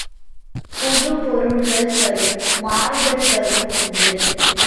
புதுப்பொருள்கள் தரும் மாறுதல்களும் உண்டு.